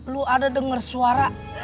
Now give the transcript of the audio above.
lu ada denger suara